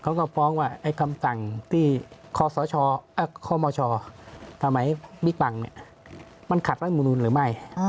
เขาก็ฟ้องว่าไอ้คำสั่งที่คมชสมัยบิ๊กบังมันขัดรัฐมนุนหรือไม่